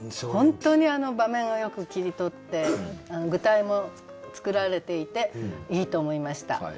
本当に場面をよく切り取って具体も作られていていいと思いました。